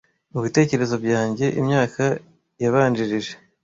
Mubitekerezo byanjye, imyaka yabanjirije,